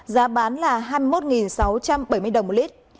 giá bán là hai mươi một sáu trăm linh đồng mỗi lít